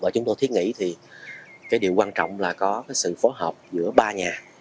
chúng tôi thiết nghĩ điều quan trọng là có sự phối hợp giữa ba nhà